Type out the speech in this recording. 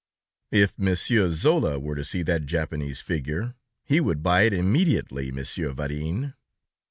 If Monsieur Zola were to see that Japanese figure, he would buy it immediately, Monsieur Varin."